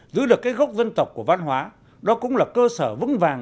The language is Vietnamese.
giữ được cái gốc dân tộc của văn hóa đó cũng là cơ sở vững vàng